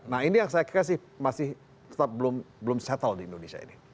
nah ini yang saya kira sih masih tetap belum settle di indonesia ini